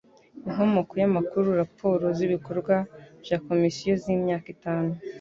Inkomoko y amakuru Raporo z ibikorwa bya Komisiyo z imyaka itanu